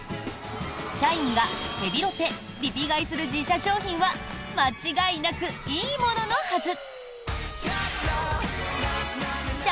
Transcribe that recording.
社員がヘビロテ・リピ買いする自社商品は間違いなくいいもののはず。